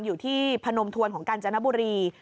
อยู่ที่พนมทวนของกาญจนบุรี